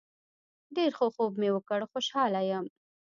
ډیر ښه خوب مې وکړ خوشحاله یم